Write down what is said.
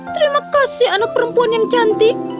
terima kasih anak perempuan yang cantik